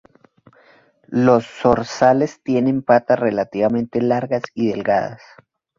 Los zorzales tienen patas relativamente largas y delgadas.